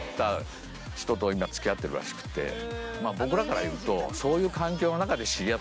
僕らから言うと。